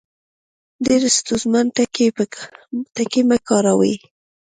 ډېر ستونزمن ټکي مۀ کاروئ